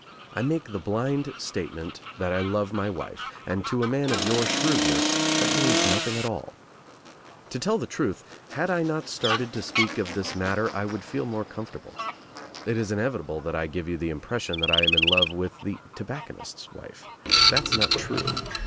I make the blind statement that I love my wife, and to a man of your shrewdness that means nothing at all. To tell the truth, had I not started to speak of this matter I would feel more comfortable. It is inevitable that I ,ve you the impression that I am in love with the 42 THE TKIUMPH OF THE EGG tobacconist's wife. That's not true.